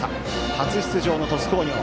初出場の鳥栖工業。